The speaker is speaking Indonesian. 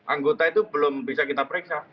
anggota itu belum bisa kita periksa